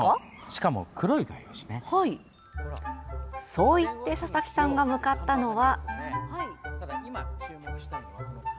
そう言って佐々木さんが向かったのは。